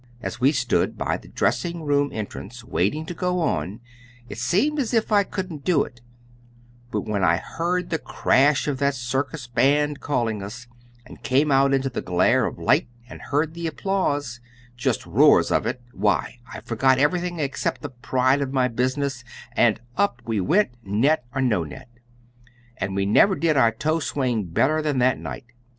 As we stood by the dressing room entrance waiting to go on, it seemed as if I couldn't do it, but when I heard the crash of that circus band calling us, and came out into the glare of light and heard the applause, just roars of it, why, I forgot everything except the pride of my business, and up we went, net or no net, and we never did our toe swing better than that night.